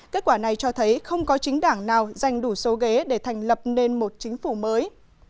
kết quả này cho thấy không có chính đảng nào giành đủ số ghế để thành lập nên một chính phủ mới